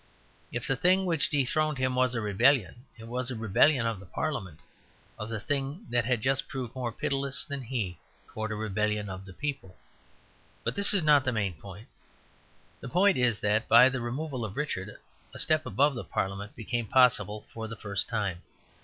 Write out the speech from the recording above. If the thing which dethroned him was a rebellion, it was a rebellion of the parliament, of the thing that had just proved much more pitiless than he towards a rebellion of the people. But this is not the main point. The point is that by the removal of Richard, a step above the parliament became possible for the first time.